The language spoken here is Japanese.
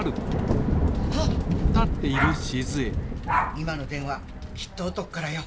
今の電話きっと男からよ。